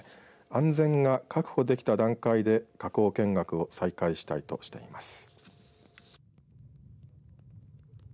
安全が確保できた段階で火口見学を再開したいとしています。